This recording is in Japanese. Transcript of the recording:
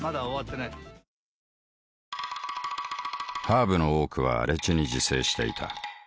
ハーブの多くは荒地に自生していた。